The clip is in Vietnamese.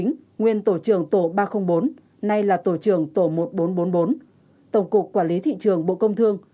nguyên tổ trưởng tổ ba trăm linh bốn nay là tổ trưởng tổ một nghìn bốn trăm bốn mươi bốn tổng cục quản lý thị trường bộ công thương